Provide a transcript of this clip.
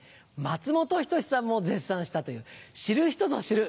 松本人志さんも絶賛したという知る人ぞ知る